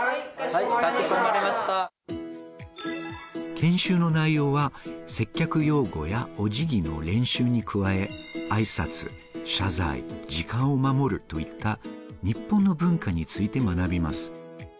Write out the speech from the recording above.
研修の内容は接客用語やお辞儀の練習に加え、あいさつ、謝罪、時間を守るといった日本の文化について学びます。